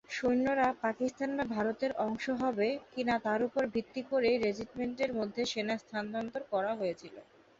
সৈন্যরা পাকিস্তান বা ভারতের অংশ হবে কিনা তার উপর ভিত্তি করে রেজিমেন্টের মধ্যে সেনা স্থানান্তর করা হয়েছিল।